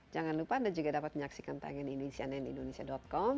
jangan lupa anda juga dapat menyaksikan tangan ini cnnindonesia com